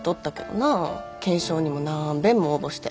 懸賞にも何べんも応募して。